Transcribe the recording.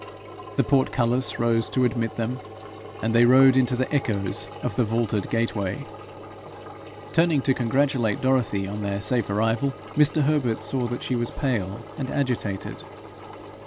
The portcullis rose to admit them, and they rode into the echoes of the vaulted gateway. Turning to congratulate Dorothy on their safe arrival, Mr. Herbert saw that she was pale and agitated.